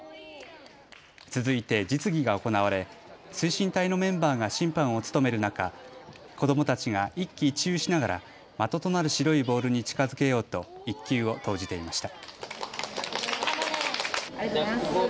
続いて実技が行われ推進隊のメンバーが審判を務める中、子どもたちが一喜一憂しながら的となる白いボールに近づけようと１球を投じていました。